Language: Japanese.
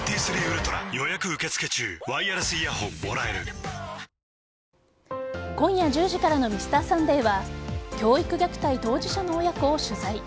オールインワン今夜１０時からの「Ｍｒ．サンデー」は教育虐待当事者の親子を取材。